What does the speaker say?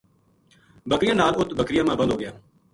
بکریاں نال اُت بکریاں ما بند ہو گیا